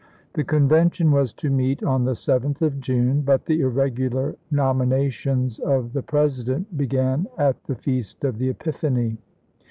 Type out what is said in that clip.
The Convention was to meet on the 7th of June, but the irregular nominations of the President began at the feast of the Epiphany.